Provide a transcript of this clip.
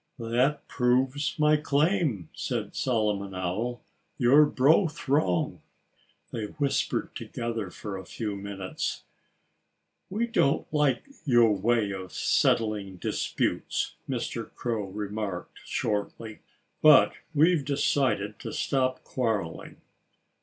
"That proves my claim," said Solomon Owl. "You're both wrong." They whispered together for a few minutes. "We don't like your way of settling disputes," Mr. Crow remarked shortly. "But we've decided to stop quarreling."